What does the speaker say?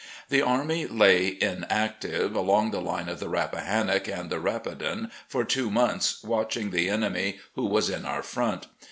The army lay inactive, along the line of the Rappahannock and the Rapidan for two months, watching the enemy, who was in our front.